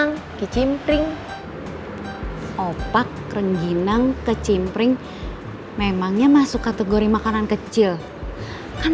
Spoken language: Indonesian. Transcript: ranginang kicimpring opak ranginang kecimpring memangnya masuk kategori makanan kecil kan